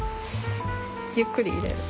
ゆっくり入れる。